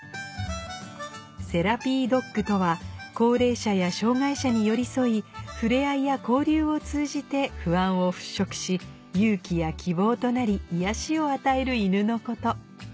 セラピードッグとは高齢者や障がい者に寄り添い触れ合いや交流を通じて不安を払しょくし勇気や希望となり癒やしを与える犬のこと